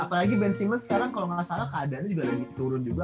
apalagi bensin sekarang kalau nggak salah keadaannya juga lagi turun juga